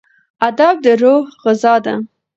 ادب د روح غذا ده.